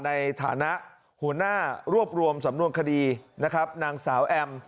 ในฐานะหัวหน้ารวบรวมสำนวนคดีนะครับนางสาวแอม